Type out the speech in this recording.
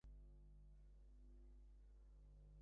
তবে পুরো ব্যাপারটি তিনি উপভোগ করেছেন।